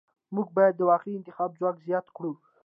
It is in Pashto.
موږ باید د واقعي انتخاب ځواک زیات کړو.